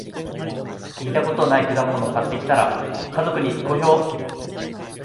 聞いたことない果物買ってきたら、家族に好評